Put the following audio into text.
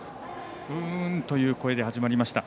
うーんという声で始まりました。